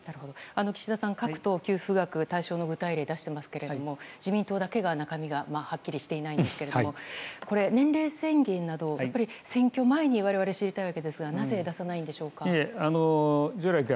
岸田さん、各党給付額具体例を出していますが自民党だけが中身がはっきりしてないんですがこれ、年齢制限など選挙前に我々、知りたいのですがなぜ出さないんでしょうか。